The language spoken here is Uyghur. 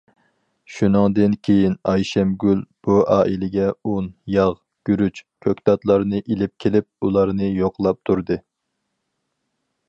شۇنىڭدىن كېيىن، ئايشەمگۈل بۇ ئائىلىگە ئۇن، ياغ، گۈرۈچ، كۆكتاتلارنى ئېلىپ كېلىپ، ئۇلارنى يوقلاپ تۇردى.